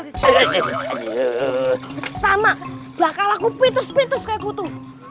bisa sama bakal aku pintus pintus kayak kutu